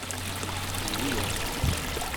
Ilwiɣ.